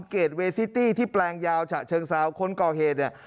เกรดเวย์ซิตี้ที่แปลงยาวฉะเชิงสาวคนกอเฮดเนี่ย